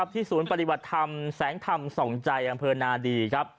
ที่สูญปฏิบัติธรรมแสงธรรมสองใจอำเภณาดี